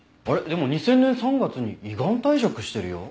でも２０００年３月に依願退職してるよ。